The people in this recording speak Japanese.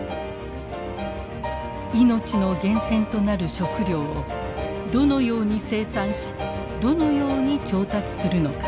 命の源泉となる食料をどのように生産しどのように調達するのか。